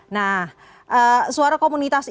nah suara komunitas islam